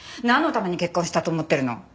なんのために結婚したと思ってるの？